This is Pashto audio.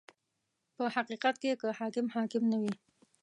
• په حقیقت کې که حاکم حاکم نه وي.